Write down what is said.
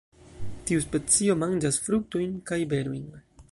Tiu specio manĝas fruktojn kaj berojn.